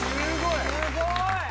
すごい！